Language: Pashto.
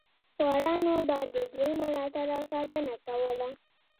خوارانو به د دوی ملاتړ او ساتنه کوله.